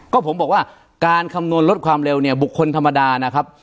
ก็ผมบอกว่าการคำนวณลดความเร็วเนี่ยบุคคลธรรมดานะครับ